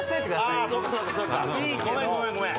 ごめんごめんごめん。